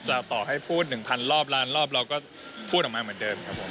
ต่อให้พูด๑๐๐รอบล้านรอบเราก็พูดออกมาเหมือนเดิมครับผม